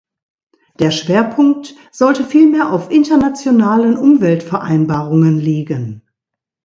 Der Schwerpunkt sollte vielmehr auf internationalen Umweltvereinbarungen liegen.